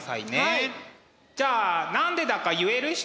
じゃあ何でだか言える人！